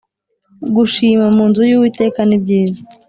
gushima mu nzu y Uwiteka nibyiza